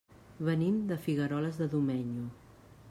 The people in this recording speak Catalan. Venim de Figueroles de Domenyo.